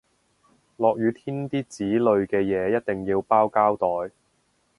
落雨天啲紙類嘅嘢一定要包膠袋